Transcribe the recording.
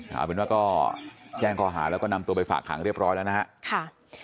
เอาเป็นว่าก็แจ้งข้อหาแล้วก็นำตัวไปฝากขังเรียบร้อยแล้วนะครับ